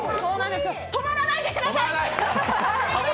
止まらないでください！